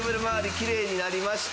きれいになりました。